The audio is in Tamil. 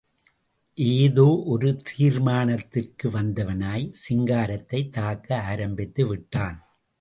ஏதோ ஒரு தீர்மானத்திற்கு வந்தவனாய், சிங்காரத்தைத் தாக்க ஆரம்பித்து விட்டான்.